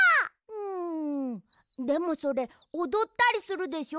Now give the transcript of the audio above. うんでもそれおどったりするでしょ？